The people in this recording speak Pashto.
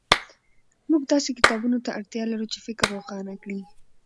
موږ داسې کتابونو ته اړتیا لرو چې فکر روښانه کړي.